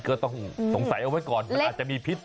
ก็ต้องสงสัยเอาไว้ก่อนมันอาจจะมีพิษ